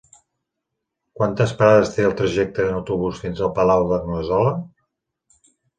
Quantes parades té el trajecte en autobús fins al Palau d'Anglesola?